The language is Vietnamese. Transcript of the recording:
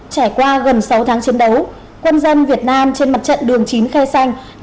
trải qua gần sáu tháng chiến đấu quân dân việt nam trên mặt trận đường chín khe xanh